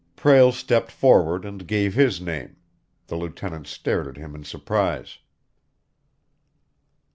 Prale stepped forward and gave his name. The lieutenant stared at him in surprise.